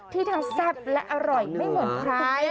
ที่ทั้งทรัพย์และอร่อยไม่เหมือนใคร